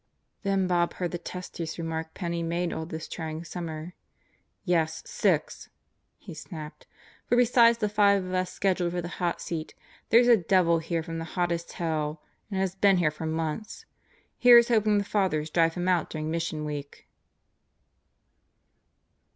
Then Bob heard the testiest remark Penney made all this trying summer. "Yes, six!" he snapped. "For besides the five of us scheduled for the hot seat, there's a devil here from hottest hell and has been here for months! Here's hopin' the Fathers drive him out during Mission Week."